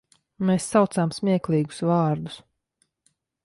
Mēs saucām smieklīgus vārdus.